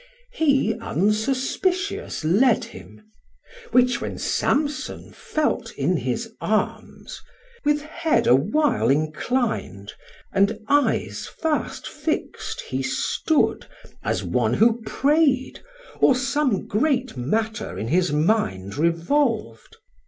He unsuspitious led him; which when Samson Felt in his arms, with head a while enclin'd, And eyes fast fixt he stood, as one who pray'd, Or some great matter in his mind revolv'd.